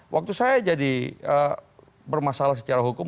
waktu saya jadi bermasalah secara hukum